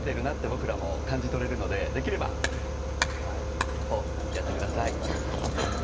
僕らも感じ取れるので、できれば手拍子をやってください。